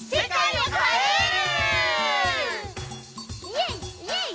イエイイエイ！